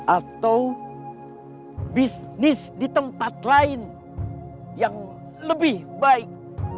atau bisnis di tempat lain yang lebih baik